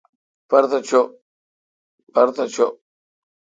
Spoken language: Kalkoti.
پرتھ چو۔